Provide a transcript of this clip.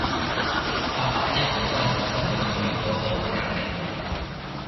阿爸一好翻就會去嗰到隔離